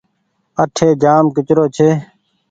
اٺي جآم ڪچرو ڇي۔